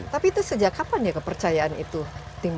tapi itu sejak kapan ya kepercayaan itu dimulai